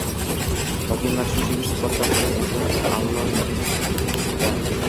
Qolganlari shunchaki suhbatlashadilar. Masalan, «allo» deng-da.